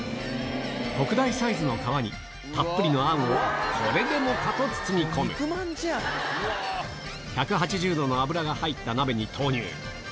特大サイズの皮に、たっぷりのあんを、これでもかと包み込み、１８０度の油が入った鍋に投入。